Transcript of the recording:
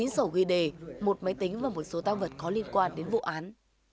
chín sổ ghi đề một máy tính và một số tăng vật có liên quan đến vụ án